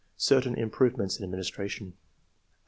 [certain improvements in administration]." 8.